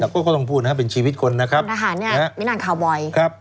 พลตะหารแน่นอนข่าวบ่อย